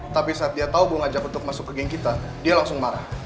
tapi saat dia tahu bu ngajak untuk masuk ke geng kita dia langsung marah